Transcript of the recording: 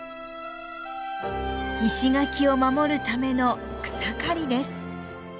石垣を守るための草刈りです。